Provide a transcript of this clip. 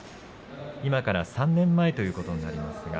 今から３年前ということになります。